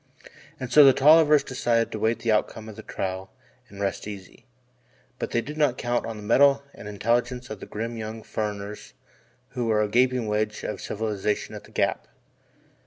And so the Tollivers decided to await the outcome of the trial and rest easy. But they did not count on the mettle and intelligence of the grim young "furriners" who were a flying wedge of civilization at the Gap.